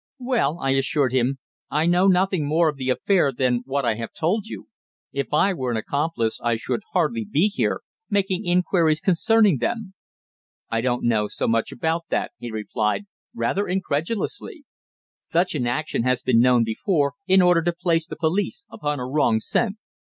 "Well," I assured him; "I know nothing more of the affair than what I have told you. If I were an accomplice I should hardly be here making inquiries concerning them." "I don't know so much about that," he replied, rather incredulously. "Such an action has been known before, in order to place the police upon a wrong scent.